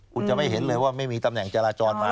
คุณจะไม่เห็นเลยว่าไม่มีตำแหน่งจราจรมา